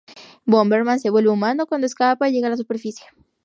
Bomberman se vuelve humano cuando escapa y llega a la superficie.